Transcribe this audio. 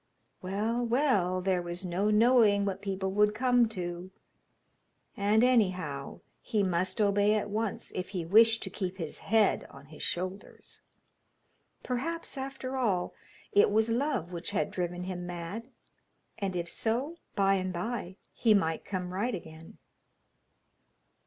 Well, well, there was no knowing what people would come to; and, anyhow, he must obey at once, if he wished to keep his head on his shoulders. Perhaps, after all, it was love which had driven him mad, and, if so, by and by he might come right again.